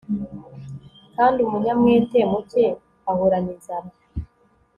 kandi umunyamwete muke ahorana inzara